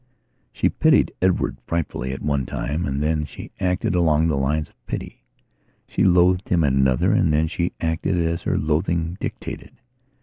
She pitied Edward frightfully at one timeand then she acted along the lines of pity; she loathed him at another and then she acted as her loathing dictated.